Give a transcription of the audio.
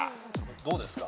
どうですか？